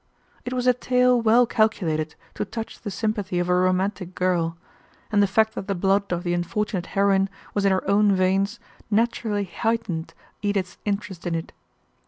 It was a tale well calculated to touch the sympathy of a romantic girl, and the fact that the blood of the unfortunate heroine was in her own veins naturally heightened Edith's interest in it.